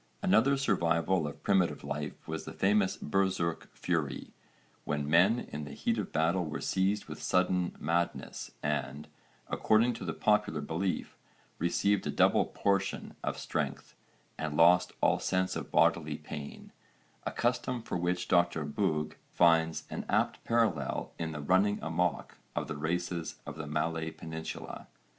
Another survival of primitive life was the famous Berserk fury, when men in the heat of battle were seized with sudden madness and, according to the popular belief, received a double portion of strength, and lost all sense of bodily pain, a custom for which Dr Bugge finds an apt parallel in the 'running amok' of the races of the Malay peninsula.